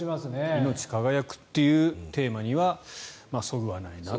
いのち輝くというテーマにはそぐわないなと。